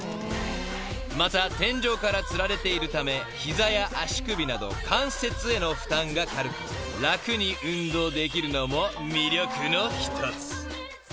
［また天井からつられているため膝や足首など関節への負担が軽く楽に運動できるのも魅力の１つ］